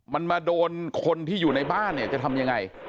มันมาโดนคนที่อยู่ในบ้านเนี่ยจะทำยังไง